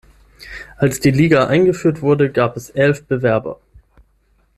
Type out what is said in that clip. Als die Liga eingeführt wurde, gab es elf Bewerber.